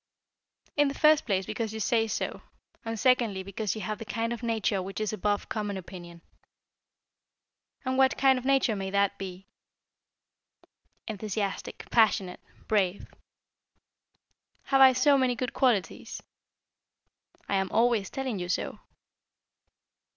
"In the first place because you say so, and secondly because you have the kind of nature which is above common opinion." "And what kind of nature may that be?" "Enthusiastic, passionate, brave." "Have I so many good qualities?" "I am always telling you so."